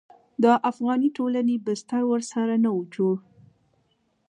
د افغاني ټولنې بستر ورسره نه و جوړ.